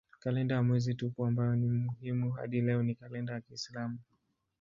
Kalenda ya mwezi tupu ambayo ni muhimu hadi leo ni kalenda ya kiislamu.